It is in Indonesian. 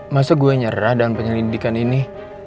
masa gue nyerah dalam penyelidikan ini